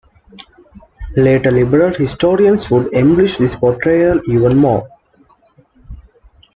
Later liberal historians would embellish this portrayal even more.